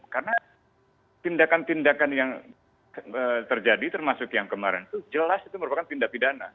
karena tindakan tindakan yang terjadi termasuk yang kemarin itu jelas itu merupakan tindak pidana